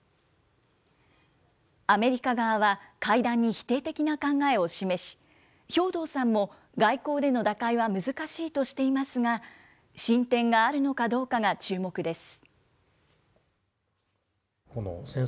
アメリカ側は会談に否定的な考えを示し、兵頭さんも、外交での打開は難しいとしていますが、進展があるのかどうかが注目です。